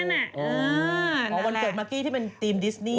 วันเกิดมากี้ที่เป็นการที่ดีสนีย์